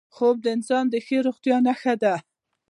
خوب د انسان د ښې روغتیا نښه ده